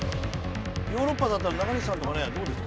ヨーロッパだったら中西さんとかねどうですか？